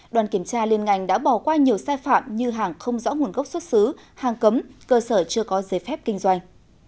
đoàn kiểm tra liên ngành đã bỏ qua nhiều sai phạm như hàng không rõ nguồn gốc xuất xứ hàng cấm cơ sở chưa có giấy phép kinh doanh